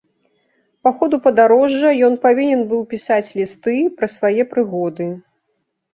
Па ходу падарожжа ён павінен быў пісаць лісты пра свае прыгоды.